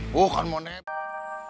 bukan mau nebeng